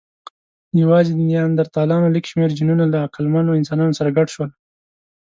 یواځې د نیاندرتالانو لږ شمېر جینونه له عقلمنو انسانانو سره ګډ شول.